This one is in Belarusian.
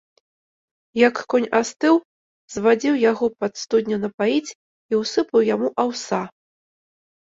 Як конь астыў, звадзіў яго пад студню напаіць і ўсыпаў яму аўса.